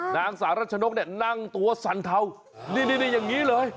นางสาวรัชนกเนี่ยนั่งตัวสั่นเทานี่อย่างนี้เลย